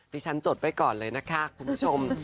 ที่ฉันจดไว้ก่อนเลยนะคะคุณผู้ชม